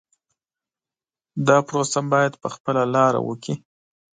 دا پروسه باید په خپله لاره وکړي.